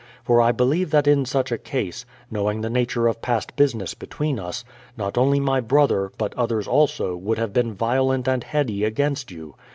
For I beheve that in such a case, knowing the nature of past business between us, not only my brother, but others also, would have been violent and heady against you.